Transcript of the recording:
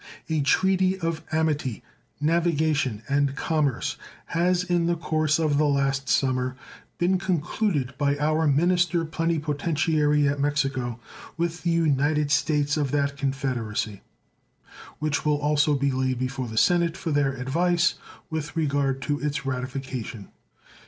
A treaty of amity, navigation, and commerce has in the course of the last summer been concluded by our minister plenipotentiary at Mexico with the united states of that Confederacy, which will also be laid before the Senate for their advice with regard to its ratification.